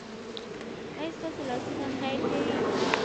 ایا ستاسو لاسونه خیر کوي؟